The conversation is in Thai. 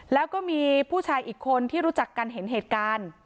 แล้วก็มีผู้ชายอีกคนที่รู้จักกันเห็นเหตุการณ์